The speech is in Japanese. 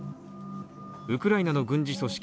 ウクライナの軍事組織